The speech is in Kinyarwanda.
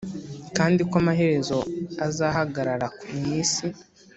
kandi ko amaherezo azahagarara mu isi